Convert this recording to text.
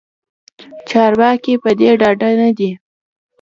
چارواکې پدې ډاډه ندي